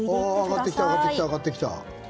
上がってきた上がってきた。